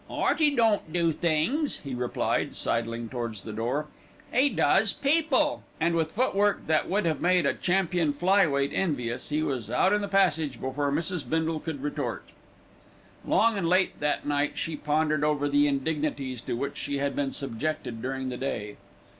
"'Earty don't do things," he replied, sidling towards the door. "'E does people," and with footwork that would have made a champion fly weight envious, he was out in the passage before Mrs. Bindle could retort. Long and late that night she pondered over the indignities to which she had been subjected during the day.